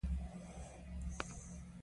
درمل د سی ار جي پي اغېزې مخنیوي کوي.